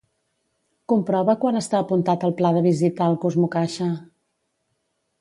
Comprova quan està apuntat el pla de visitar el CosmoCaixa.